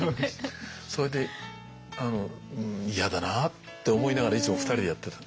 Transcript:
それで嫌だなって思いながらいつも２人でやってた。